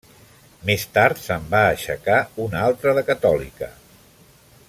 Més tard se'n va aixecar una altra de catòlica.